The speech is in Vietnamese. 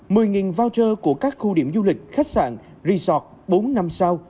mười nghìn voucher của các khu điểm du lịch khách sạn resort bốn năm sao